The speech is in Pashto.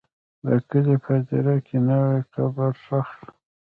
د کلي په هدیره کې نوی قبر ښخ شو.